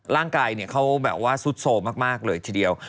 ร่างกายเขาแบบว่าสุดโสมมากเลยทีเดียว